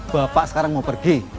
bapak sekarang mau pergi